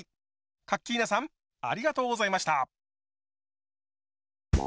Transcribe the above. カッキーナさんありがとうございました。